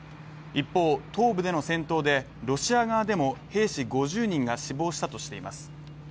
一方、東部での戦闘でロシア側でも兵士５０人が死亡したとしています。